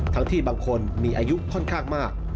ที่บางคนมีอายุค่อนข้างมาก